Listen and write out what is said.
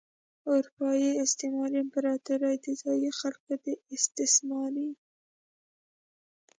اروپايي استعماري امپراتورۍ د ځايي خلکو د استثمار په موخه جوړې شوې وې.